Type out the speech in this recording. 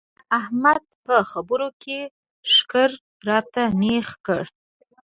احمد په خبرو کې ښکر راته نېغ کړل.